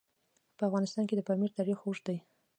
په افغانستان کې د پامیر تاریخ اوږد دی.